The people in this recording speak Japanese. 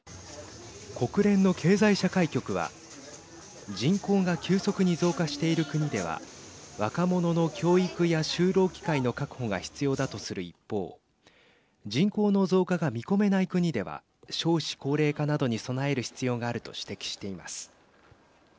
国連の経済社会局は人口が急速に増加している国では若者の教育や就労機会の確保が必要だとする一方人口の増加が見込めない国では少子高齢化などに備える必要があると指摘しています。